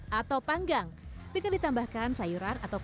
nah untuk mengurangi peradangan di tubuh kita kita harus mengambil beberapa produk